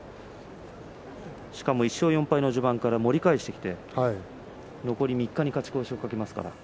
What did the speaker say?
１勝４敗の序盤から盛り返してきて残り３日に勝ち越しを懸けていますね。